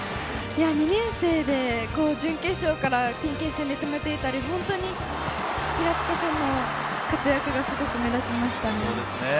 ２年生で準決勝から止めていたり、平塚さんも活躍がすごく目立ちました。